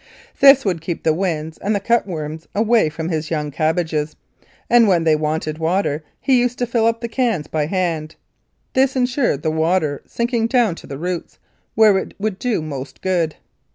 This would keep the winds and the cut worms away from his young cabbages, and when they wanted water he used to fill up the cans by hand. This ensured the water sinking down to the roots, where it would do most good.